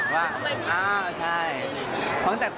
ว่าอ้าวใช่